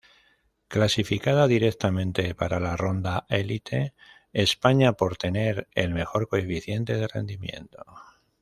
Clasificada directamente para la Ronda Élite: España por tener el mejor coeficiente de rendimiento.